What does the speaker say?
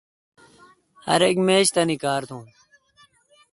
ار اک میش تانی کار تھوں۔